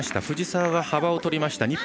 藤澤は幅を取りました。